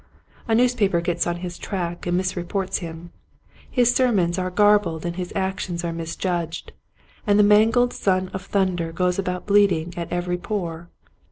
A newspaper gets on his track and misreports him. His ser mons are garbled and his actions are mis judged, and the mangled son of thunder goes about bleeding at every pore.